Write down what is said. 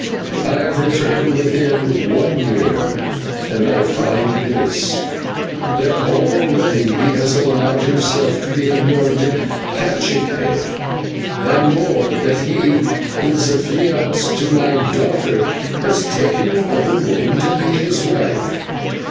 I have returned within one year, and I find this: That already he has allowed himself to be anointed /cacique/, and more, that he, who was affianced to my daughter, has taken another woman to be his wife.